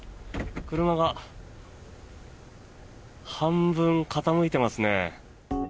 車が半分傾いてますね。